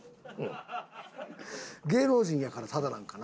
芸能人やからタダなんかな？